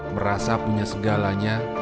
merasa punya segalanya